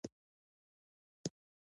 په واپس کولو راضي کړو